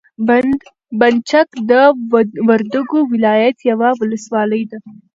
بند چک د وردګو ولایت یوه ولسوالي ده.